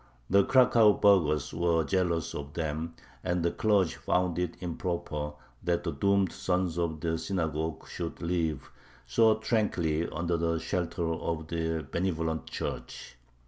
The Cracow burghers were jealous of them, and the clergy found it improper that the doomed sons of the Synagogue should live so tranquilly under the shelter of the benevolent Church.